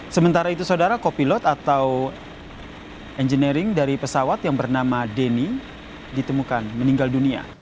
sementara itu saudara kopilot atau engineering dari pesawat yang bernama denny ditemukan meninggal dunia